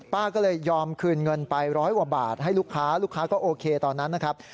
ป้าก็เลยยอมคืนเงินไปร้อยกว่าบาทให้ลูกค้าลูกค้าก็โอเคตอนนั้นนะครับ